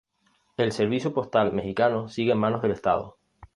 El Servicio Postal Mexicano sigue en manos del Estado.